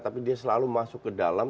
tapi dia selalu masuk ke dalam